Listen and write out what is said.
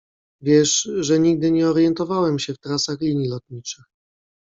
Wiesz, że nigdy nie orientowałem się w trasach linii lotniczych.